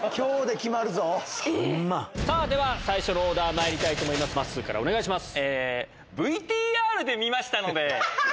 では最初のオーダーまいりますまっすーからお願いします。